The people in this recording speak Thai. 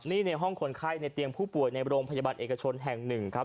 นี่ในห้องคนไข้ในเตียงผู้ป่วยในโรงพยาบาลเอกชนแห่งหนึ่งครับ